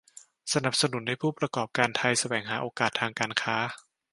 สนับสนุนให้ผู้ประกอบการไทยแสวงหาโอกาสทางการค้า